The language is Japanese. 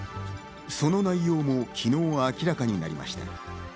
その内容も昨日、明らかになりました。